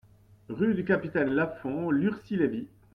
Rue du Capitaine Lafond, Lurcy-Lévis